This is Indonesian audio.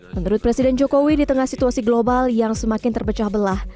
menurut presiden jokowi di tengah situasi global yang semakin terpecah belah